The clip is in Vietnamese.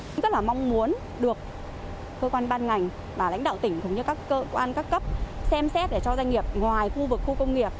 cũng rất là mong muốn được cơ quan ban ngành và lãnh đạo tỉnh cũng như các cơ quan các cấp xem xét để cho doanh nghiệp ngoài khu vực khu công nghiệp